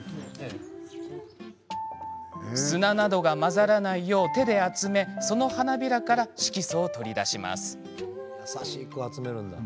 砂などが混ざらないよう手で集めその花びらから色素を取り出します。